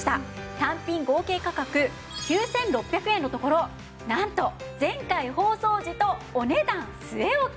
単品合計価格９６００円のところなんと前回放送時とお値段据え置き。